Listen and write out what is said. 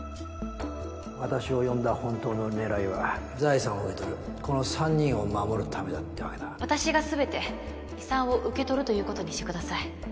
私を呼んだ本当の狙いは財産を受け取るこの３人を守るためだってわけだ私が全て遺産を受け取るということにしてください。